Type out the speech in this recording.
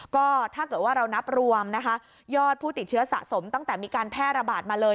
ก็ถ้าเกิดว่าเรานับรวมนะคะยอดผู้ติดเชื้อสะสมตั้งแต่มีการแพร่ระบาดมาเลย